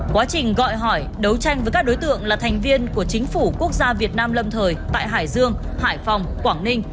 quá trình gọi hỏi đấu tranh với các đối tượng là thành viên của chính phủ quốc gia việt nam lâm thời tại hải dương hải phòng quảng ninh